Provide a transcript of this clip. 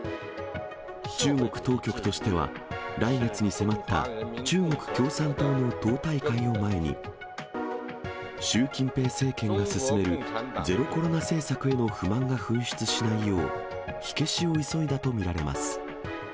中国当局としては、来月に迫った中国共産党の党大会を前に、習近平政権が進めるゼロコロナ政策への不満が噴出しないよう、火消しを急いだと見られます。